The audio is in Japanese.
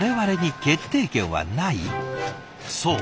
そう。